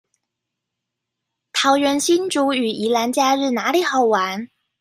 桃園新竹與宜蘭假日哪裡好玩